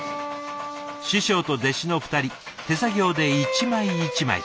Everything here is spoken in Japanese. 師匠と弟子の２人手作業で一枚一枚。